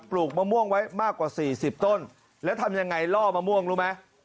ลูกมะม่วงไว้มากกว่าสี่สิบต้นแล้วทำยังไงล่อมะม่วงรู้ไหม